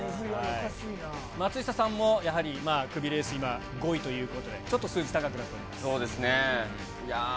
松下さんも、やはりまあ、クビレース、今、５位ということで、ちょっと数字、高くなっております。